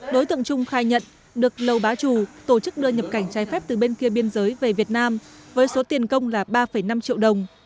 đối tượng trung khai nhận được lầu bá trù tổ chức đưa nhập cảnh trái phép từ bên kia biên giới về việt nam với số tiền công là ba năm triệu đồng